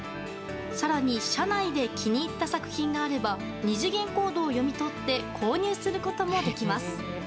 更に、車内で気に入った作品があれば２次元コードを読み取って購入することもできます。